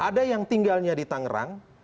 ada yang tinggalnya di tangerang